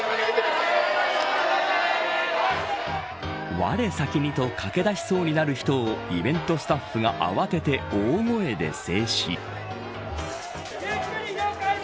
われ先にと駆け出しそうになる人をイベントスタッフが慌てて大声で制止。